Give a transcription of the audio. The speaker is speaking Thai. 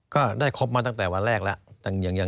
ก็ได้ครบมาตั้งแต่วันแรกแล้ว